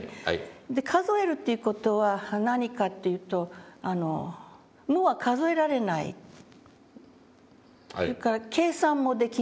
数えるっていう事は何かっていうと無は数えられないそれから計算もできない。